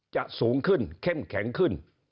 สูงขึ้นเข้มแข็งขึ้น